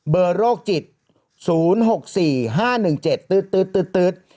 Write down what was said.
เบอร์โรคจิต๐๖๔๕๑๗ตื๊ด